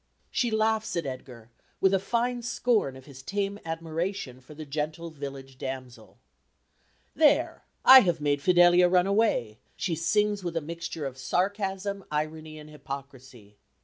She laughs at Edgar with a fine scorn of his tame admiration for the gentle village damsel. "There! I have made Fidelia run away," she sings with a mixture of sarcasm, irony, and hypocrisy.